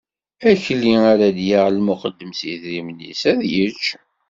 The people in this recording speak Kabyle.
Akli ara d-yaɣ lmuqeddem s yedrimen-is, ad yečč.